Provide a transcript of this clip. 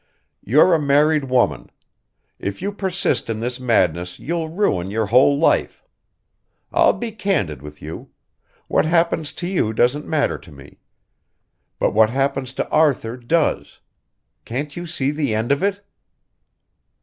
"You're a married woman. If you persist in this madness you'll ruin your whole life. I'll be candid with you. What happens to you doesn't matter to me; but what happens to Arthur does. Can't you see the end of it?"